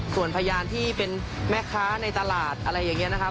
ส่วนพยานที่เป็นแม่ค้าในตลาดอะไรอย่างนี้นะครับ